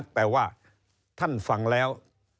แต่ว่าท่านฟังแล้ว